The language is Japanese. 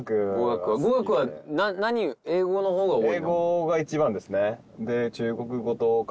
語学は英語の方が多い？